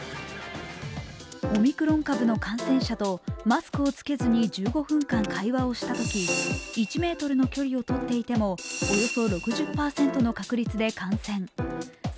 オミクロン株の感染者とマスクを着けずに１５分間会話をしたとき１ｍの距離をとっていてもおよそ６０％の確率で感染。